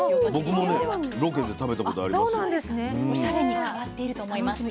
オシャレに変わっていると思います。